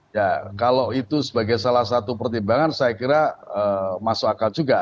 ya kalau itu sebagai salah satu pertimbangan saya kira masuk akal juga